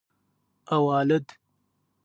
اوالد